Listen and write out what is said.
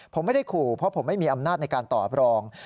ผมไม่ได้ขู่เพราะผมไม่มีอำนาจในการตอบรอง